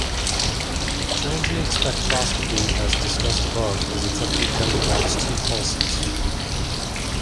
Transient spectroscopy as discussed above is a technique that involves two pulses.